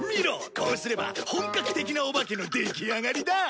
こうすれば本格的なお化けの出来上がりだ！